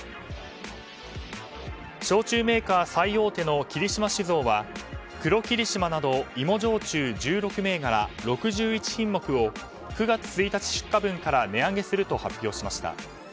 焼酎メーカー最大手の霧島酒造は黒霧島など芋焼酎１６銘柄６１品目を９月１日出荷分から値上げすると発表しました。